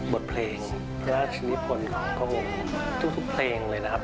บทเพลงพระราชนิพลของพระองค์ทุกเพลงเลยนะครับ